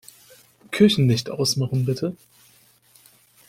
Küchenlicht ausmachen, bitte.